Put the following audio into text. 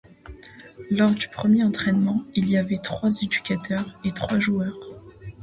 Lors du premier entraînement, il y avait trois éducateurs et trois joueurs.